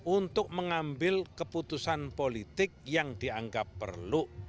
untuk mengambil keputusan politik yang dianggap perlu